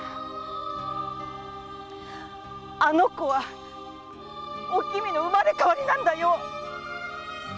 あの子はおきみの生まれ変わりなんだよ！